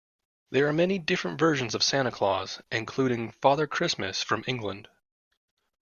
There are many different versions of Santa Claus, including Father Christmas from England